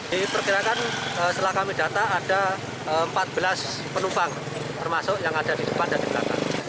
diperkirakan setelah kami data ada empat belas penumpang termasuk yang ada di depan dan di belakang